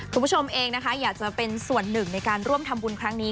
คุณผู้ชมเองนะคะอยากจะเป็นส่วนหนึ่งในการร่วมทำบุญครั้งนี้